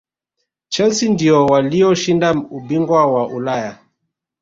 chelsea ndiyo waliyoshinda ubingwa wa ulaya